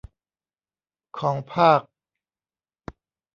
ของภาค